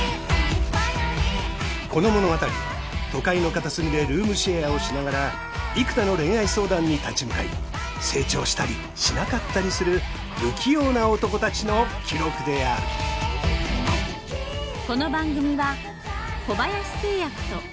この物語は都会の片隅でルームシェアをしながら幾多の恋愛相談に立ち向かい成長したりしなかったりする不器用な男たちの記録であるあぁ。